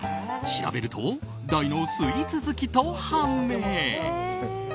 調べると大のスイーツ好きと判明。